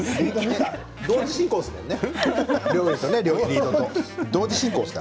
同時進行ですものね。